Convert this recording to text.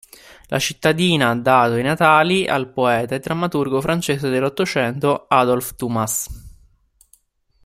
La cittadina ha dato i natali al poeta e drammaturgo francese dell'Ottocento Adolphe Dumas.